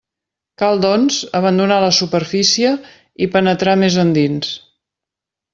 Cal, doncs, abandonar la superfície i penetrar més endins.